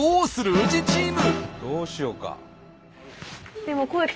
宇治チーム。